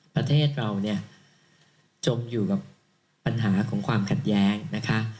ประเทศเราเนี่ยจมอยู่กับปัญหาของความขัดแย้งนะคะ